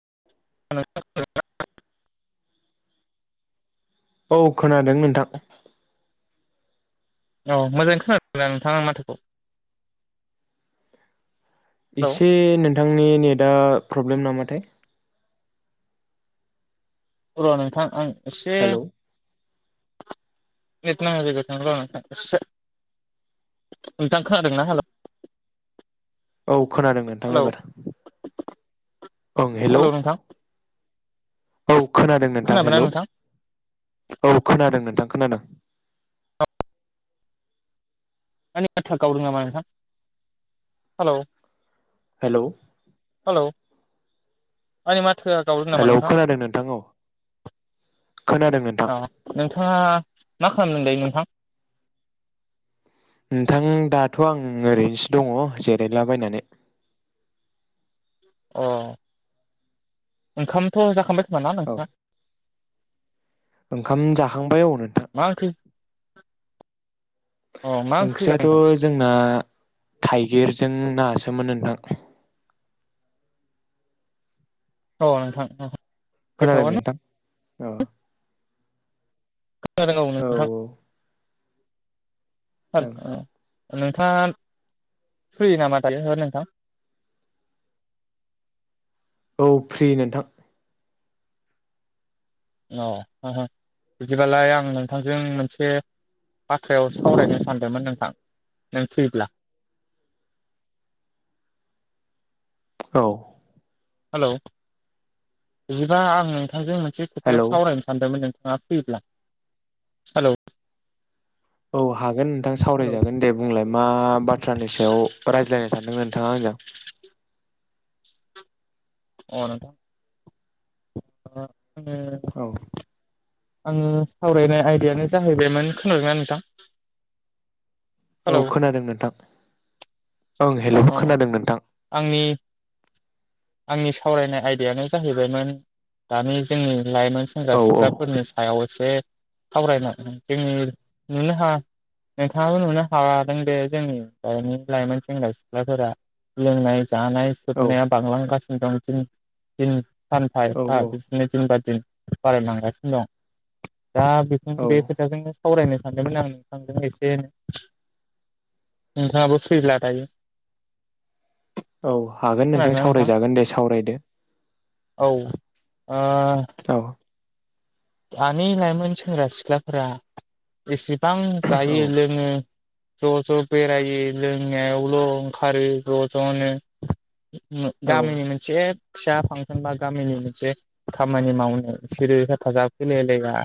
[unintelligible] औ खोनादों नोंथां। औ मोजाङै खोनादों ना नोंथाङाआं माथोखौ? हेलौ इसे नोंथांनि नेदा प्रब्लेम नामाथाय। र' नोंथां आं एसे हेलौ [unintelligible] नोंथांआ खोनादोंना हेल'। औ खोनादों नोंथां एबार ओं हेलौ। औ। खोनादों नोंथां हेलौ औ खोनादों नोंथां। खोनदों। आंनि बाथ्रा गावदों नामा नोंथां हेल'? हेलौ। औ आंनि मा थोआ गावदों नामा हेलौ नोंथां खोनादों नोंथां औ खोनादों नोंथां ओ नोंथाङा मा खालामदों नोंथां? नोंथां दाथ' आं ओरैनोसो दङ जिरायलाबायनानै। अ ओंखामथ' जाखांबाय नामा औ नोंथाङा? ओंखाम जाखांबाय औ नोंथां। मा ओंख्रि अ मा ओंख्रि जाखो ओंख्रियाथ' नोंथां जोंना थाइगिरजों नासोमोन नोंथां। औ नोंथां। खोनादों गोथावानो नोंथां अ खोनादों औ नोंथां ओं [unintelligible] नोंथांङा सुयो नामा नोंथां [inaudible] औ फ्रि नोंथां [unintelligible] बिदिबालाय आं नोंथांजों मोनसे बाथ्रायाव सावरायनो सानदोंमोन नोंथां नों फ्रिब्ला [inaudible] औ हेलौ बिदिबा आं नोंथांजों मोनसे खोथायाव हेलौ सावरायनो सानदोंमोन नों [unintelligible] हेलौ औ हागोन नोंथां हेलौ सावरायजागोन दे बुंलाय मा बाथ्रानि सायाव रायज्लायनो सानदों नोंथाङा आंजों [unintelligible] [inaudible] औ [unintelligible] आंङो सावरायनाय आयदायानो जाहैबायमोन खोनादोंना नोंथां औ हेलौ खोनादों नोंथां ओं अ हेलौ‌खोनादों नोंथां आंनि आंनि सावरायनाय आयदायानो जाहैबायमोन दानि जोंनि लाइमोन सेंग्रा औ औ सिख्लाफोरनि सायाव एसे सावरायनाय जोंनि नुनो ह नोंथाङाबो नुनो हादों बे जोंनि दनि लाइमोन सेंग्रा सिख्लाफोरा लोंनाय जानाय औ सुथनाया बांला गासिनो दं दि सानफा औ एफा बिदिनो दिन बा दिन बारायलांगासिनो दं दा बेखौनो औ बे खोथाजोंनो सावरायनो सानदोंमोन आं नोंथांजों एसे ए नोंथांङाबो सैला दायो औ हागोन नोंथां सावरायजागोन दे सावरायदो औ ओ औ दानि लाइमोन सेंग्रा सिख्लाफोरा एसे गोबां औ जायो लोंङो ज' ज' बेरायो लोंनायावल' ओंखारो ज' ज'नो औ गामिनि मोनसे फिसा फांसन बा गामिनि मोनसे खामानि मावनो बिसोरो हेफाजाब होलायलाया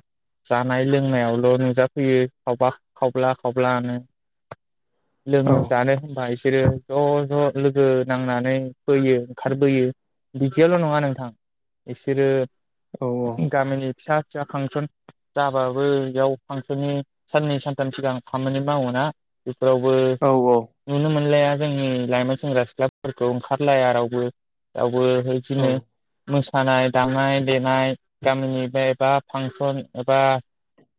जानाय लोंनायावल' नुजाफैयो खाव खाव्ला खाव्लानो औ लोंनो जानो होनबा एसे बिसोरो ज' ज' लोगो नांनानै बोयो ओंखारबोयो बिदियाल' नङा नोंथां बिसोरो गामिनि फिसा फिसा फांसन जाबाबो बेयाव फांसननि साननै सानथाम सिगां खामानि मावोना फोरावबो औ औ नुनो मोनलाया जोंनि लाइमोन सेंग्रा सिख्लाफोरखौ ओंखारलाया रावबो बो औ बिदिनो मोसानाय दामनाय देनाय गामिनि एबा फांसन एबा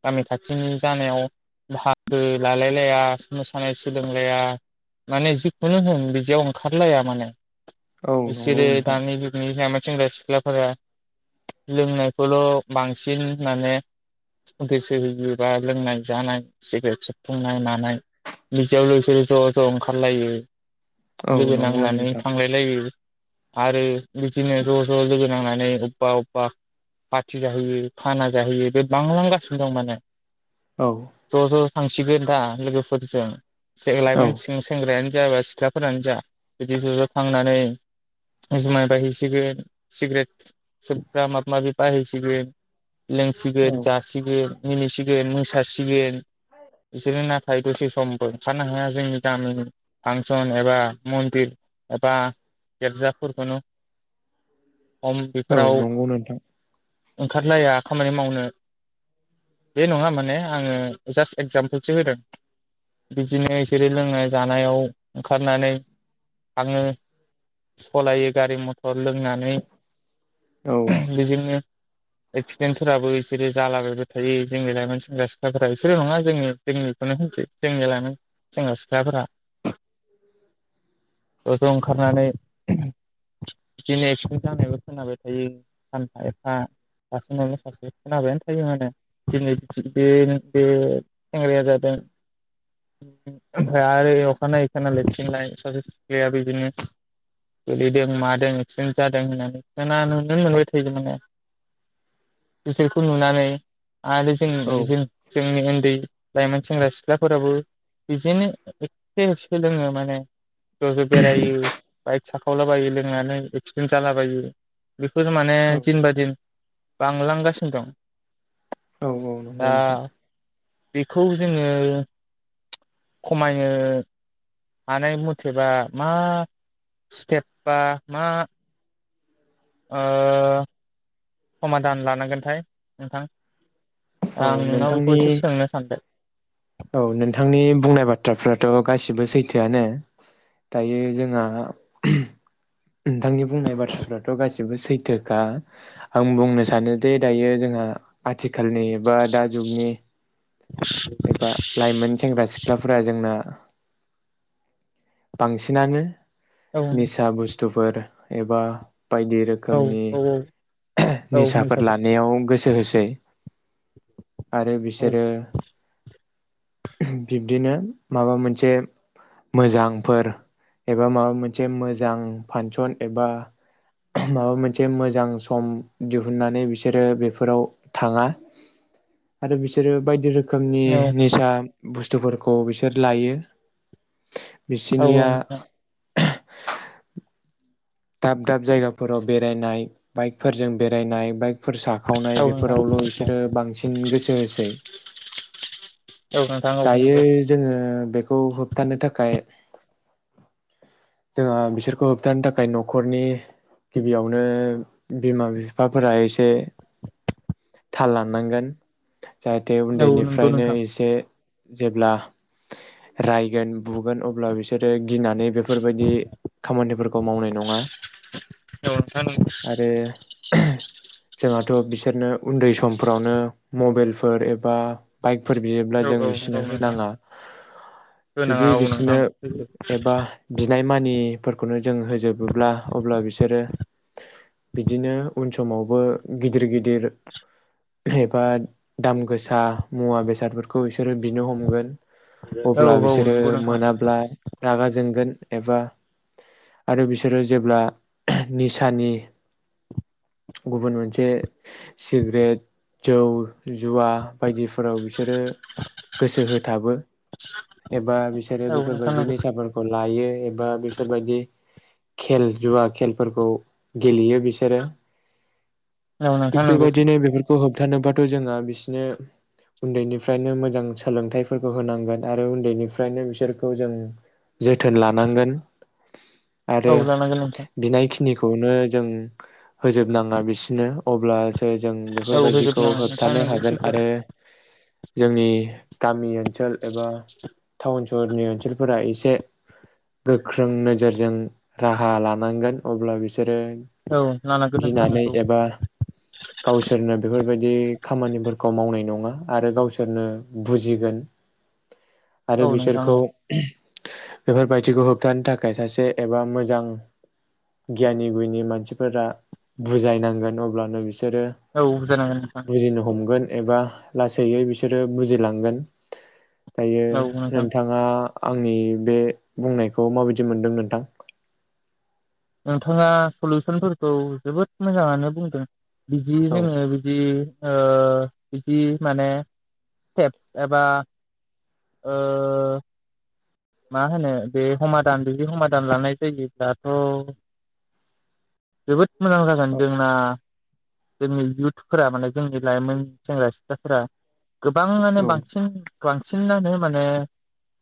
गामि खाथिनि जानायाव बाहागो लालाय लाया मोसानाय सोलोंलाया माने जिखुनु होन बिदियाव ओंखारलाया माने औ नंगौ बिसोरो नोंथां दानि जुगनि जामोन सेंग्रा सिख्लाफोरा लोंनायखौल' बांसिन माने गोसो होयो बा लोंनाय जानाय सिगारेट सेबफुंनाय मानाय बिदियाव लोगोसे ज' ज' ओंखारलायो औ लोगो नंगौ नांनानै नोंथां थांलायलायो आरो बेदिनो ज'ज'लोगो नांनानै नै अबा अबा [unintelligible] फुरथि जाहैयो खाना जाहोयो बे बांलांगासिनो दं माने औ ज' ज' थांसिगोन दा लोगोफोरजों जों औ लाइमोन सिं सेंग्रायानो जायाबा सिख्लाफोरानो जा बिदि ज' ज' थांनानै जुमाय बायहैसिगोन सिगारेट सोबग्रा माबा माबि [unintelligible] [unintelligible] लोंसिगोन औ जासिगोन मिनिसिगोन मोसासिगोन बिसोर ना दसे समबो ओंखारनो हाया जोंनि गामिनि फानसन एबा मन्दिर एबा गिरजाफोरखुनो औ नंगौनोथां ओंखारलाया खामानि मावनो बे नङा माने आंङो जास्ट एक्जामपोलसो होदों बिदिनो बिसोरो लोंनाय जानायाव ओंखारनानै थांङो सालायो गारि मथर लोंनानै औ बेजोंनो एक्सिडेन्टफोराबो बिसोरो जालाबायबाय थायो जोंनि लाइमोन सेंग्रा सिख्लाफोरा इसोर' नङा जोंनि जोंनिखौनो होनसै जोंनि लाइमोन सेंग्रा सिख्लाफोरा ज' ज' ओंखारनानै बिदिनो एक्सिडेन्ट जानायबो खोनाबाय थायो सानफा एफ फा दासिमावनो सासे खोनाबायानो थायो माने दिनै बे बे सेंग्राया जादों ओमफ्राय आरो अखानायै खोनालायसिगोनलाय सासे सिख्लाया बिदिनो गोलैदों मादों एक्सिडेन्ट जादों होननानै खोनानो नुनो मोनबाय थायो माने। बिसोरखौ नुनानै आरो जों औ जोंनि उन्दै लाइमोन सेंग्रा सिख्लाफोराबो बिदिनो एखे एसे लोङो माने ज' ज' बेरायो बाइक साखावलाबायो लोंनानै एक्सिडेन्ट जालाबायो। बेफोर माने औ [unintelligible] बांलांगासिनो दं। औ औ नंगौ दा नोंथां। बेखौ जोंङो खमायनो हानाय मथेबा मा स्टेप बा मा ओ [unintelligible] समादान लानांगोनथाय नोंथां? औ आं नोंनाव बेखौ एसे नोंथांनि सोंनो सानदों। औ नोंथांनि बुंनाय बाथ्राफ्राथ' गासिबो सैथोआनो दायो जोंहा नोंथांनि बुंनाय बाथ्राफ्राथ' गासिबो सैथोखा आं बुंनो सानो जे दायो जोंहा आथिखालनि बा दा जुगनि एबा लाइमोन सेंग्रा सिख्लाफोरा जोंना बांसिनानो औ निसा बुस्थु फोर एबा बायदि औ रोखोमनि औ औ निसाफोर मिसाबो लानायाव गोसो होसै आरो औ बिसोरो बिब बदिनो माबा मोनसे मोजांफोर एबा माबा मोनसे मोजां फानसन एबा माबा मोनसे मोजां सम दिहुननानै बिसोरो बेफोराव थाङा आरो बिसोरो बायदि रो रोखोमनि औ निसा बुस्थुफोरखौ बिसोर लायो। औ बिसिनिया नोंथां दाब दाब जायगाफोराव बेरायनाय बाइकफोरजों बेरायनाय बाइक फोर साखावनाय औ नोंथां बेफोरावल' बिसोरो बांसिन गोसो होसै। औ नोंथां औ दायो नंगौ जोङो बेखौ होबथानो थाखाय ए जोंहा बिसोरखौ होबथानो थाखाय न'खरनि गिबियावनो बिमा बिफाफोरा एसे थाल लानांगोन। जाहाथे औ नंगौ उन्दैनिफ्रायनो नोंथां एसे जेब्ला रायगोन बुगोन अब्ला बिसोरो गिनानै बेफोरबायदि खामानिफोरखौ मावनाय नङा औ नोंथां आरो जों थ' बिसोरनो उन्दै समफ्रावनो मबाइल फोर एबा बाइक फोर बियोब्ला औ जों औ बिस नो नोंथां होनाङा होनाङा जुदि औ नोंथां बिसोनो एबा बिनायमानि नि फोरखौनो जों होजोबोब्ला अब्ला बिसोरो बिदिनो उन समावबो गिदिर गिदिर एबा दाम गोसा मुवा बेसादफोरखौ बिसोरो बिनो हमगोन औ अब्ला औ बिसोरो नंगौ नोंथां मोनाब्ला रागा जोंगोन। एबा आरो बिसोरो जेब्ला निसानि गुबुन मोनसे सिग्रेट जौ जुवा बायदिफोराव बिसोरो गोसो होथाबो एबा बिसोरो औ नोंथां बेफोरबायदिनि नंगौ निसा फोरखौ लायो एब बा बिसोरबायदि खेल जुवा खेलफोरखौ गेलेयो बिसोरो औ थिक नोंथां नंगौ बेबायदिनो बेफोर [unintelligible] होबथानोबाथ जोंहा बिसिोरनो उन्दैनिफ्रायनो मोजां सोलोंथाइफोरखौ होनांगोन आरो उन्दैनिफ्रायनो बिसोरखौ जों जोथोन लानांगोन आरो औ लानांगोन नोंथां बिनायखि [unintelligible] जों होजोब नांङा बिसोरनो अब्ला [unintelligible] जों औ बेफोरबायदिखौ होजोबनाङा नोंथां होबथानो नोंगौ हागोन सैथो आरो जोंनि गामियै ओनसोल एबा टाउन सहरनि ओनसोलफोरा एसे गोख्रों नोजोरजों राहा लानांगोन अब्ला बिसोर औ लानांगोन बिसोरो नोंथां गिनानै नोंगौ एबा गावसोरनो बेफोर बेबायदि खामानिफोरखौ मावनाय नंङा आरो गावसोरनो बुजिगोन औ आरो नोंथां बिसोरखौ [unintelligible] बेफोरबायदिखौ होबथानो थाखाय सासे एबा मोजां गियानि गुयनि मानसिफोरा बुजायनांगोन अब्लानो [unintelligible] औ जानांगोन नोंथां [unintelligible] बुजिनो हमगोन एबा लासैयै बिसोरो बुजिलाङो [unintelligible] [unintelligible] दायो औ नोंथां नोंथाङा आंनि बे बुंनायखौ माबायदि मोनदों नोंथां नोंथांङा सलिउसनफोरखौ जोबोद मोजांङानो बुंदों बेदि औ जोंङो बेदि ओ बिदि माने स्टेप एबा ओ मा होनो बे हमादान बिुदि हमादान लानाय जायोब्लाथ' जोबोद मोजां जागोन जोंना जोंनि इयउथफोरा माने जोंनि लाइमोन सेंग्रा सिख्लाफोरा गोबाङानो औ बांसिन बांसिनानो माने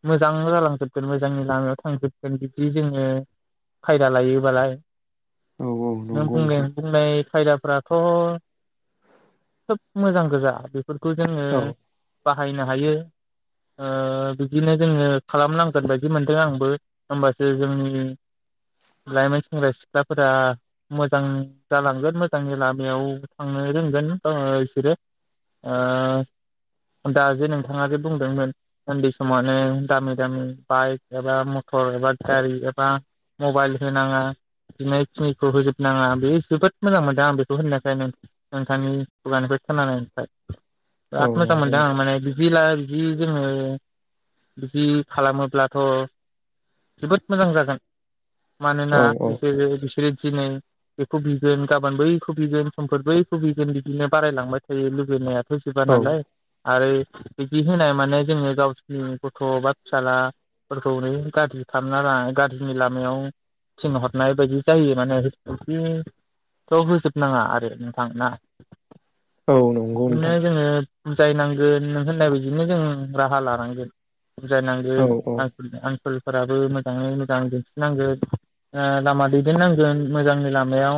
मोजां [unintelligible] जोबोर मोजांनि लामायाव थांजोबगोन बिदि जोङो खायदा लायोबालाय। औ औ नों नंगौ बुंनाय नोंथां। बुंनाय खायदाफ्राथ' खोब मोजां गोजा। फोरफोरखौ जोङो औ बाहायनो हायो ओ बिदिनो जोङो खालामनांगौ। [unintelligible] बायदि मोनदों आंबो हबासो जोंनि लाइमोन सेंग्रा सिख्लाफोरा मोजां जालांगोन मोजांनि लामायाव थांनो रोंगोन बिसोरो ओ दा जे नोंथाङा जे बुंदोंमोन उन्दै समनो दामि दामि बाइक रां [unintelligible] थर एबा गारि एबा मबाइल होनाङा बिनायखिनिखौ होजोबनाङा। बे जोबोद मोजां मोनदों आं बेखौ होननायखाय नोंथांनि खुगानिफ्राय खोनानायफ्राय। औ बिराद मोजां नंगौ मोनदो आं नोंथां माने बिदि ला बिदि जोङो बिदि खालामो अब्लाथ' जोबोद मोजां जागोन। मानोना औ औ बिसोर बिसोर दिनै बेखौ बिगोन गाबोन बैखौ बिगोन समफोर बैखौ बिगोन बिदिनो बारायलांबाय थायो लुबैनाया। थोजोबा नालाय औ आरो बिदि होनाय माने जोङो गावसिनि गथ' बा फिसाला फोरखौ नै गाज्रि खालामना लानाय गाज्रिनि लामायाव थिनहरनाय बायदि जायो माने हथिथ' होजोबनाङा आरो नोंथां ना। औ नंगौ बिदिनो नोंथां। जोङो बुजायनांगोन नों होननाय बायदिनो जों राहा लानांगोन। औ बुजायनांगोन औ आनसलफोराबो मोजाङै मोजां दिन्थिनांगोन। लामा दैदेननांगोन मोजांनि लामायाव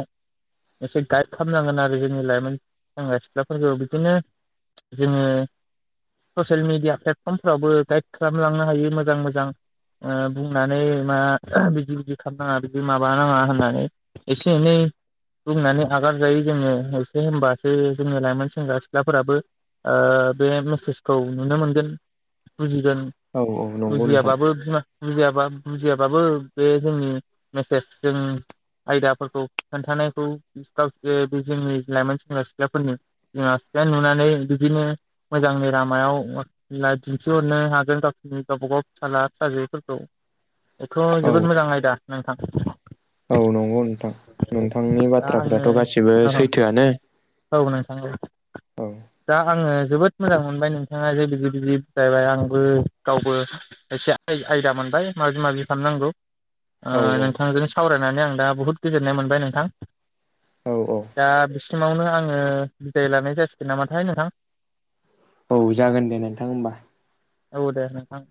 एसे गाइद खालामनांगोन आरो जोंनि लाइमोन सेंग्रा सिख्लाफोरखौ बिदिनो जोङो ससियेल मेडिया प्लेटफर्मफ्रावबो गाइद खालामलांनो हायो। मोजां मोजां मोजां ओ बुंनानै मा बिदि बिदि खालामनाङा बिदि माबानाङा होननानै एसे एनै बुंनानै आगार जायो जोङो एसे होनबासो जोंनि लाइमोन सेंग्रा सिख्लाफोराबो बे मेसेजखौ नुनो मोनगोन। फुजिगोन। औ औ नंगौ नोंथां बुजियाबाबो बिमा बुजियाबा बुजियाबाबो बे जोंनि मेसेज जों आयदाफोरखौ खोन्थानायखौ गावसोर बे जोंनि लाइमोन सेंग्रा सिख्लाफोरनि बिमा बिफाया नुनानै बिदिनो मोजांनि लामायाव लायक दिन्थिहरनो हागोन गावसोरनि गावबा गाव फिसाला फिसाजो फोरखौ। बेथ' औ जोबोद मोजां आयदा नों थां। औ नंगौ नोंथां। नोंथांनि दा बाथ्राफथ' गासिबो आङो सैथोआनो। औ। दा आङो जोबोद मोजां मोनबाय नोंथाङा जे बिदि बिदि बुजायबाय आंबो गावबो एसे आय खायदा मोनबाय माबि माबि खामनांगौ। ओ औ नोंथांजोंनो सावराय नानै आं दा बुहुद गोजोननाय मोनबाय नोंथां। औ दा बिसिमावनो आङो बिदाय लानाय जासिगोन नामाथाय नोंथां? औ जागोन दे नोंथां होमबा। औ दे नोंथां।